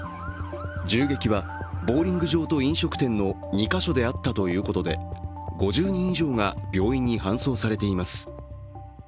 銃撃はボウリング場と飲食店の２か所であったということで、５０人以上が病院に搬送されています。